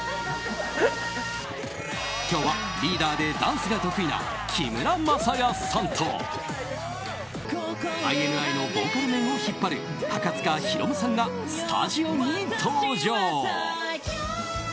今日はリーダーでダンスが得意な木村柾哉さんとＩＮＩのボーカル面を引っ張る高塚大夢さんがスタジオに登場。